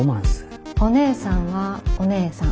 お姉さんはお姉さん。